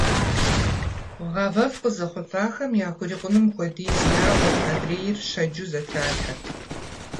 ГъавэфӀ къызэхъулӀахэм яхурикъунум хуэдиз яӀуэрт, адрейр щэджу зэтралъхьэрт.